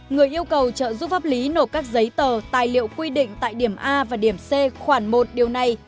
người yêu cầu trợ giúp pháp lý nộp các giấy tờ tài liệu quy định tại điểm a và điểm c khoảng một điều này